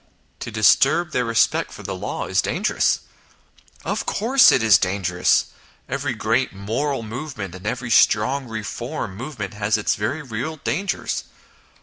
To disturb their respect for the law is dangerous. Of course it is dangerous ! Every great moral movement and every strong reform move ment has its very real dangers.